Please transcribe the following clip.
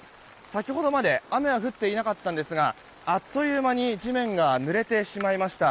先ほどまで雨は降っていなかったんですがあっという間に地面がぬれてしまいました。